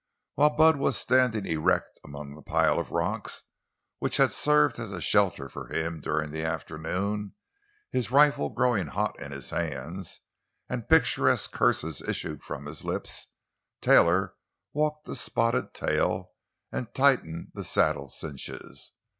While Bud was standing erect among the pile of rocks which had served as a shelter for him during the afternoon, his rifle growing hot in his hands, and picturesque curses issued from his lips, Taylor walked to Spotted Tail and tightened the saddle cinches.